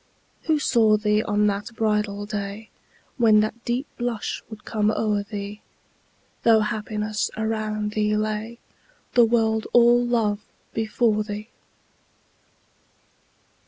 Who saw thee on that bridal day, When that deep blush would come o'er thee, Though happiness around thee lay, The world all love before thee.